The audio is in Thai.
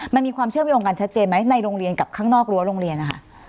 มันมีความเชื่อมโยงกันชัดเจนไหมในโรงเรียนกับข้างนอกรั้วโรงเรียนนะคะ